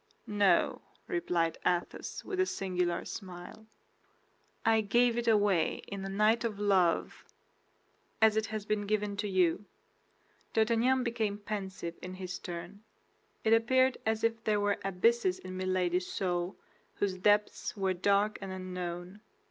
"No," replied Athos, with a singular smile. "I gave it away in a night of love, as it has been given to you." D'Artagnan became pensive in his turn; it appeared as if there were abysses in Milady's soul whose depths were dark and unknown.